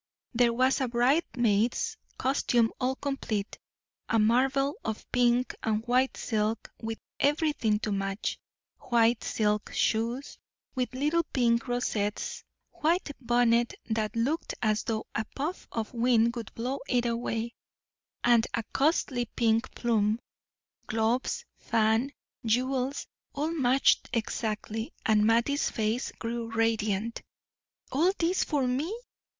There was a bridesmaid's costume all complete, a marvel of pink and white silk, with everything to match; white silk shoes, with little pink rosettes; white bonnet, that looked as though a puff of wind would blow it away, and a costly pink plume; gloves, fan, jewels, all matched exactly, and Mattie's face grew radiant. "All this for me!